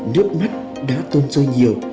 nước mắt đã tôn trôi nhiều